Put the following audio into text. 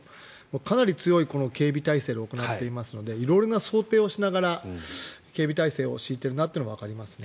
かなり強い警備態勢で行っていますので色々な想定をしながら警備態勢を敷いているのがわかりますね。